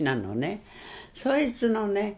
そいつのね